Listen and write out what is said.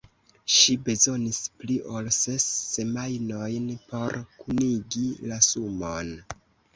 Ŝi bezonis pli ol ses semajnojn por kunigi la sumon.